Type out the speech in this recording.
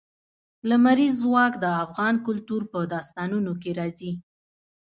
لمریز ځواک د افغان کلتور په داستانونو کې راځي.